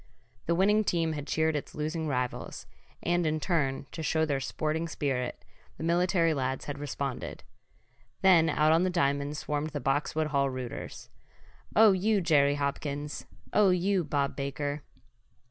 The winning team had cheered its losing rivals, and in turn, to show their sporting spirit, the military lads had responded. Then out on the diamond swarmed the Boxwood Hall rooters. "Oh you Jerry Hopkins!" "Oh you Bob Baker!"